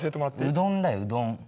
うどんだようどん。